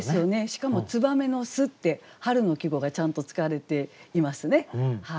しかも「燕の巣」って春の季語がちゃんと使われていますね。